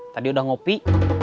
tadi udah ngopi